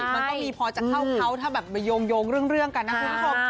มันก็มีพอจะเข้าเขาถ้าแบบมาโยงเรื่องกันนะคุณผู้ชม